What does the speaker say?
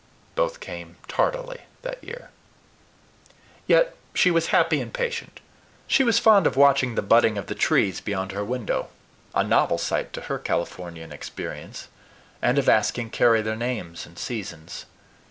Both came tardily that year. Yet she was happy and patient. She was fond of watching the budding of the trees beyond her window a novel sight to her Californian experience and of asking Carry their names and seasons.